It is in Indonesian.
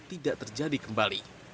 tidak terjadi kembali